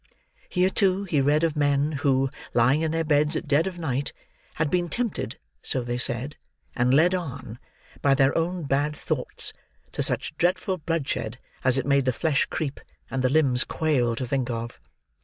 Here, too, he read of men who, lying in their beds at dead of night, had been tempted (so they said) and led on, by their own bad thoughts, to such dreadful bloodshed as it made the flesh creep, and the limbs quail, to think of.